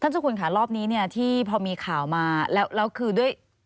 ท่านสมคุณค่ะรอบนี้พอมีข่าวมาแล้วคือด้วย